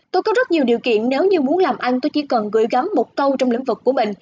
tôi có rất nhiều điều kiện nếu như muốn làm anh tôi chỉ cần gửi gắm một câu trong lĩnh vực của mình